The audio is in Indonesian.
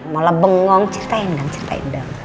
mulai bengong ceritain dong ceritain dong